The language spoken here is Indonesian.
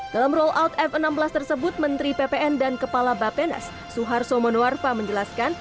dalam rollout f enam belas tersebut menteri ppn dan kepala bappenas suharto menuarfa menjelaskan